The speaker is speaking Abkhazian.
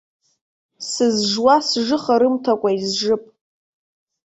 Сызжуа сжыха рымҭакәа изжып.